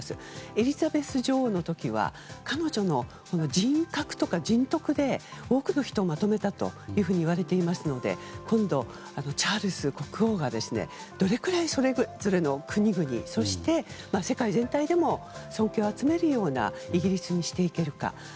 エリザベス女王の時は彼女の人格とか人徳で多くの人をまとめたといわれていますので今度、チャールズ国王がどれくらいそれぞれの国々そして、世界全体でも尊敬を集めるようなイギリスにしていけるか。